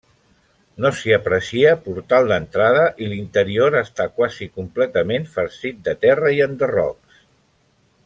No s'hi aprecia portal d'entrada i l'interior està quasi completament farcit de terra i enderrocs.